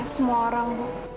semua orang bu